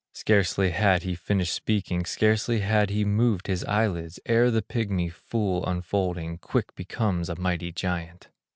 Scarcely had he finished speaking, Scarcely had he moved his eyelids, Ere the pigmy full unfolding, Quick becomes a mighty giant.